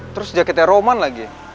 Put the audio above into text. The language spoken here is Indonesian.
terus jaketnya roman lagi